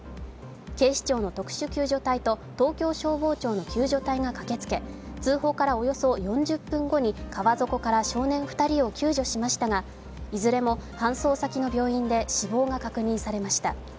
警視庁の特殊救助隊と東京消防庁の救助隊が駆けつけ通報からおよそ４０分後に川底から少年２人を救助しましたが、いずれも搬送先の病院で死亡が確認されました。